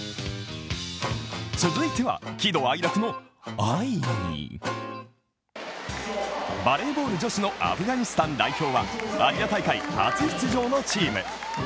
続いては喜怒哀楽の「哀」バレーボール女子のアフガニスタン代表はアジア大会初出場のチーム。